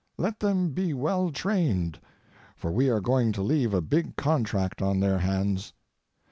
Let them be well trained, for we are going to leave a big contract on their hands.